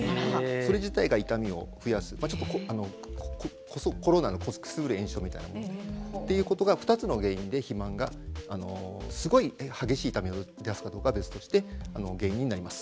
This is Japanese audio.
それ自体が痛みを増やすくすぶる炎症みたいな。ということが２つの原因で肥満がすごい激しい痛みを出すかどうかは別として原因になります。